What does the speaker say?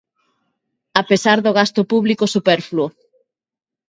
A pesar do gasto público superfluo.